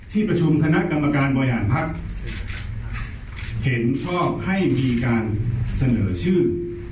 ที่ประชุมคณะกรรมการบริหารภักดิ์เห็นชอบให้มีการเสนอชื่อ